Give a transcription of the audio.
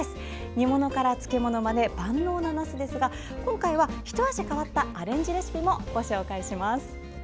煮物から漬け物まで万能ななすですが今回は、ひと味変わったアレンジレシピもご紹介します。